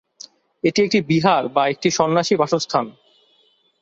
এটি একটি "বিহার" বা একটি সন্ন্যাসী বাসস্থান।